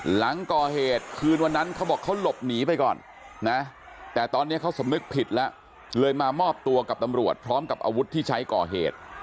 หลังก่อเหตุคืนวันนั้นเขาบอกเขาหลบหนีไปก่อนนะแต่ตอนนี้เขาสำนึกผิดแล้วเลยมามอบตัวกับตำรวจพร้อมกับอาวุธที่ใช้ก่อเหตุ